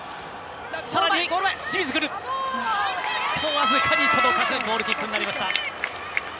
僅かに届かずゴールキックになりました。